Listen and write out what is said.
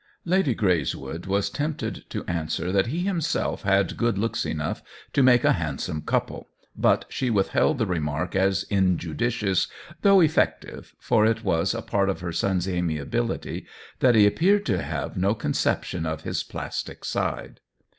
Lady Greyswood was tempted to answer that he himself had good looks enough to make a handsome couple, but she withheld the remark as injudicious, though effective, for it was a part of her son's amiability that he appeared to have no conception of his plastic side.